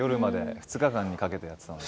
２日間にかけてやりましたので。